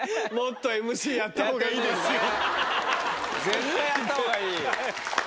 絶対やった方がいい。